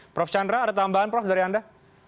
prof chandra ada tambahan prof dari anda